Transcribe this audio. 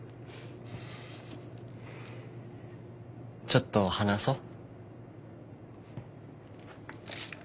ちょっと話そう。